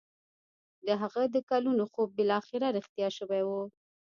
د هغه د کلونو خوب بالاخره رښتيا شوی و.